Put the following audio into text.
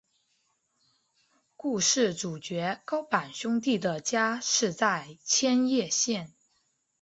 故事主角高坂兄妹的家是在千叶县。